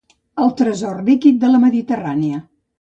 El tresor líquid de la Mediterrània.